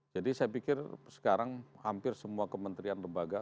saya pikir sekarang hampir semua kementerian lembaga